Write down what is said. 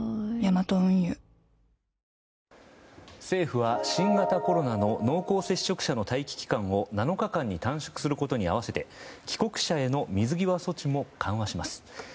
政府は新型コロナの濃厚接触者の待機期間を７日間に短縮することに合わせて帰国者への水際措置も緩和します。